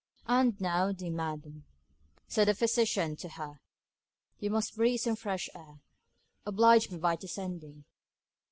'And now, my dear madam,' said the physician to her, 'you must breathe some fresh air. Oblige me by descending.